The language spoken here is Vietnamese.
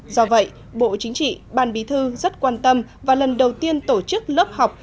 do vậy bộ chính trị ban bí thư rất quan tâm và lần đầu tiên tổ chức lớp học